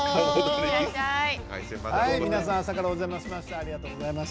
皆さん朝からお邪魔しました。